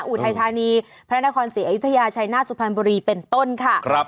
อุทัยธานีพระนครศรีอยุธยาชัยหน้าสุพรรณบุรีเป็นต้นค่ะ